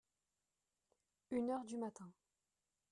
Une heure du matin.